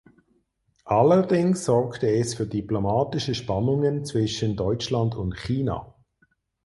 Allerdings sorgte es für diplomatische Spannungen zwischen Deutschland und China.